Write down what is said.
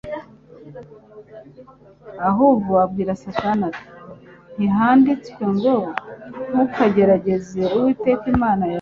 Ahubwo abwira Satani ati: «Ntihanditswe ngo: ntukagerageze Uwiteka Imana yawe».